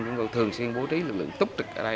chúng tôi thường xuyên bố trí lực lượng túc trực ở đây